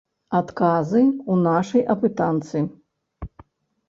Адказы ў нашай апытанцы.